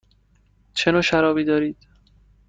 چه نوع شرابی دارید؟